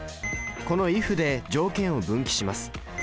この「ｉｆ」で条件を分岐します。